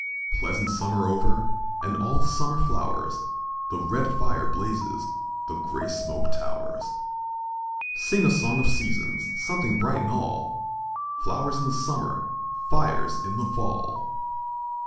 Pleasant summer over And all the summer flowers, The red fire blazes, The grey smoke towers. Sing a song of seasons! Something bright in all! Flowers in the summer, Fires in the fall!